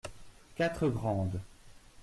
Quatre grandes.